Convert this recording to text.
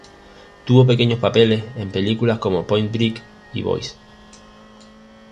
Tuvo pequeños papeles en películas como Point Break y Boys.